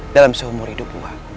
dalam seumur hidup wak